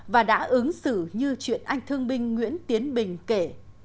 và đã ứng xử như chuyện anh thương binh nguyễn tiến bình kể